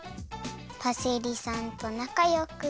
パセリさんとなかよく。